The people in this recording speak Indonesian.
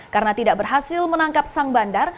karena tidak berhasil menangkap sang bandar